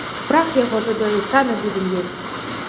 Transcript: Прах яго забяры, самі будзем есці.